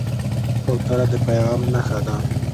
کوتره د پیغام نښه ده.